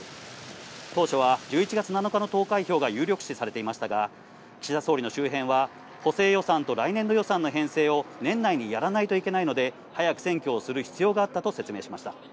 当初は１１月７日の投開票が有力視されていましたが、岸田総理の周辺は、補正予算と来年度予算の編成を年内にやらないといけないので、早く選挙をする必要があったと説明しました。